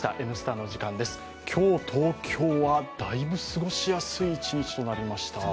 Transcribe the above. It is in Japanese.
今日、東京はだいぶ過ごしやすい一日となりました。